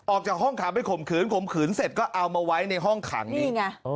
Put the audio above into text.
ออกจากห้องขังไปข่มขืนข่มขืนเสร็จก็เอามาไว้ในห้องขังนี่ไง